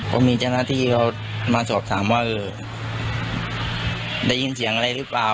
ก็มีเจ้าหน้าที่เขามาสอบถามว่าได้ยินเสียงอะไรหรือเปล่า